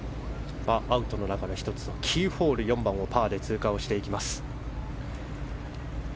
アウトの中の１つキーホールの４番をパーで通過していきます。